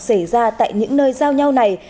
xảy ra tại những nơi giao nhau này